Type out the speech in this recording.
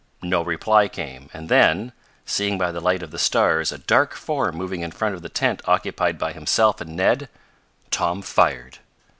No reply came, and then, seeing by the light of the stars a dark form moving in front of the tent occupied by himself and Ned, Tom fired.